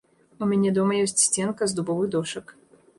У мяне дома ёсць сценка з дубовых дошак.